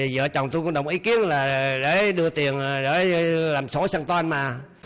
vợ chồng tôi cũng đồng ý kiến là để đưa tiền để làm sổ sân toàn mà